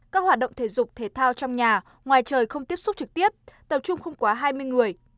các hoạt động thể dục thể thao trong nhà ngoài trời không tiếp xúc trực tiếp tập trung không quá hai mươi người